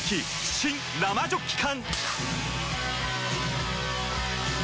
新・生ジョッキ缶！